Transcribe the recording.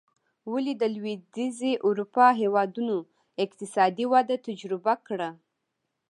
ولې د لوېدیځې اروپا هېوادونو اقتصادي وده تجربه کړه.